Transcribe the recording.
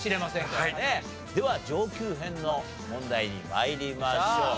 では上級編の問題に参りましょう。